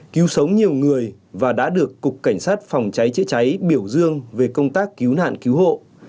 cứu sống nhiều người và đã được cục cảnh sát phòng cháy chữa cháy biểu dương về công tác cứu nạn cứu hộ